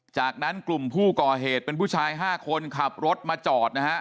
จากนั้นกลุ่มผู้ก่อเหตุเป็นผู้ชาย๕คนขับรถมาจอดนะฮะ